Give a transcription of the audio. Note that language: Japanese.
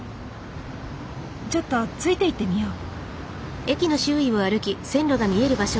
ちょっとついて行ってみよう。